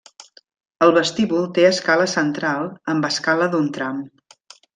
El vestíbul té escala central amb escala d'un tram.